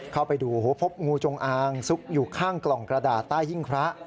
เข้าไปดูพบงูจงอางซุกอยู่ข้างกล่องกระดาษใต้หิ้งพระ